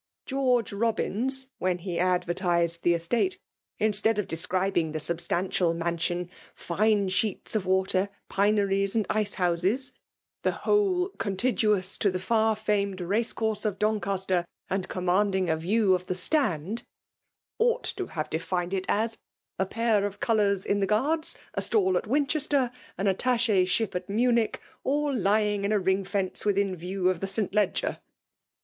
George Robins, when he advertised the estate, instead of de scribing the substantial mansion, fine sheets of water^ pineries, and ice houses, ' the whole contiguous to the far famed race course of Doncastcr, and commanding a view of the Stftndy ought to have defined it as ' a pair of colours in the Guards, a stall at Winchester, an attache ship at Munich, all lying in a ring fence within view of the St. Leger.'